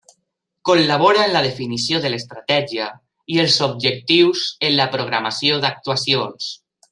Col·labora en la definició de l'estratègia i els objectius en la programació d'actuacions.